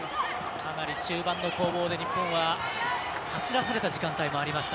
かなり中盤の攻防で走らされた時間帯もありました。